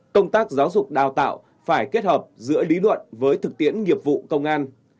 công tác giáo dục đào tạo phải kết hợp giữa lý luận với thực tiễn nghiệp vụ công an